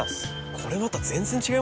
これまた全然違いますね。